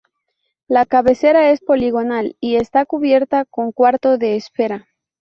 La cabecera es poligonal y está cubierta con cuarto de esfera.